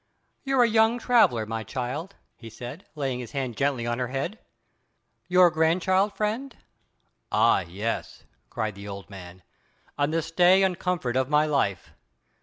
"You're a young traveller, my child," he said, laying his hand gently on her head.—"Your grandchild, friend?" "Ay, sir," cried the old man, "and the stay and comfort of my life."